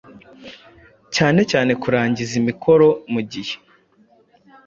cyanecyane kurangiza imikoro ku gihe,